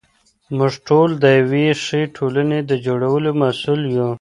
موږ ټول د یوې ښې ټولنې د جوړولو مسوول یو.